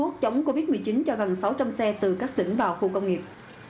chống covid một mươi chín cho gần sáu trăm linh xe từ các tỉnh vào khu công nghiệp